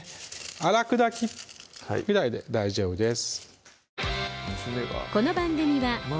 粗砕きぐらいで大丈夫です